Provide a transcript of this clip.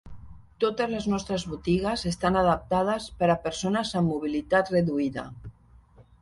Totes les nostres botigues estan adaptades per a persones amb mobilitat reduïda.